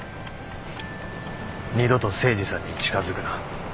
二度と誠司さんに近づくな。